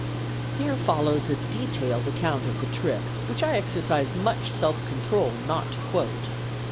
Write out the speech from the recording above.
Here follows a detailed account of the trip, which I exercise much self control not to quote.